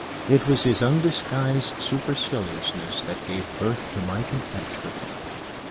It was his undisguised superciliousness that gave birth to my contempt for him.